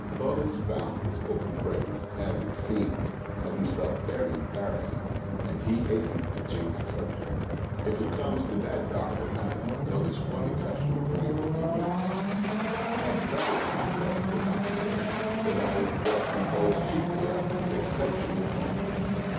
Claudius found this open praise, as it seemed, of himself very embarrassing ; and he hastened to change the subject. THE OCTAVE OP CLAUDIUS. 55 " If it comes to that, doctor, I have noticed one exceptional point in you." " I had flattered myself," the doctor said, " that I was composed chiefly of exceptional points.